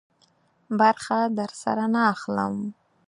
برخه درسره نه اخلم.